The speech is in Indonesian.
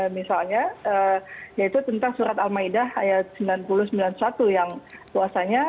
misalnya yaitu tentang surat al ma'idah ayat sembilan ratus sembilan puluh satu yang bahwasannya